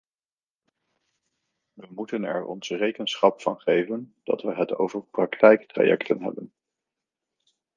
We moeten er ons rekenschap van geven dat we het over praktijktrajecten hebben.